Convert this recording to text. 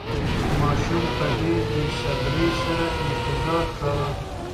ماشوم په ډېرې بې صبرۍ سره انتظار کاوه.